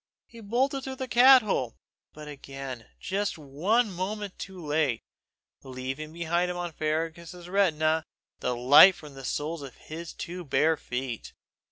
He bolted through the cat hole but again just one moment too late, leaving behind him on Fergus's retina the light from the soles of two bare feet.